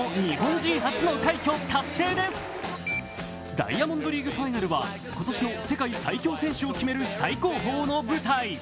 ダイヤモンドリーグファイナルは今年の世界最強選手を決める最高峰の舞台。